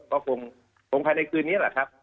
ก็คงภายในคืนนี้แหละครับ